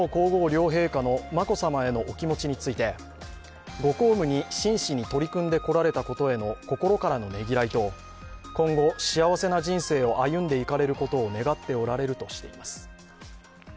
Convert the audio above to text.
宮内庁は天皇皇后両陛下の眞子さまのお気持ちについてご公務に真摯に取り組んでこられたことへの心からのねぎらいと、今後、幸せな人生を歩んでいかれることを願っておられるとしています。